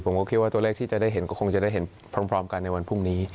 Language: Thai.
คิดว่าตัวเลขที่จะได้เห็นก็คงจะได้เห็นพร้อมกันในวันพรุ่งนี้